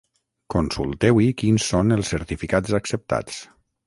Consulteu-hi quins són els certificats acceptats.